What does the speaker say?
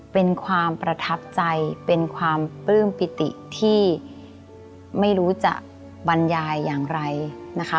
เป็นความประทับใจเป็นความปลื้มปิติที่ไม่รู้จะบรรยายอย่างไรนะคะ